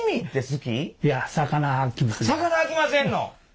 魚あきませんの？